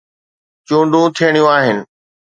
چونڊون ٿيڻيون آهن.